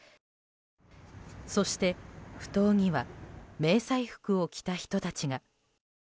そしてふ頭には迷彩服を着た人たちが。